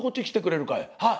「はい。